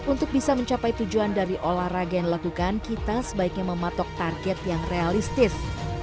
untuk bisa mencapai tujuan dari olahraga yang dilakukan kita sebaiknya mematok target yang realistis